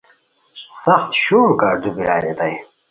سخت شوم کاردو بیراؤ ریتائے